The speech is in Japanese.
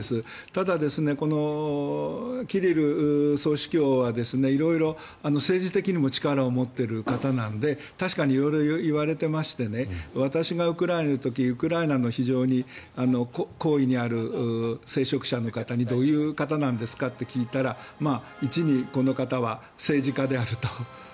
ただ、このキリル総主教は色々、政治的にも力を持っている方なので確かに色々言われていまして私がウクライナにいる時ウクライナの非常に高位にある聖職者の方にどういう方なんですかと聞いたら１に、この方は政治家であると。